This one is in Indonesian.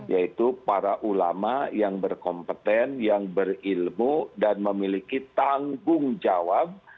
yaitu para ulama yang berkompeten yang berilmu dan memiliki tanggung jawab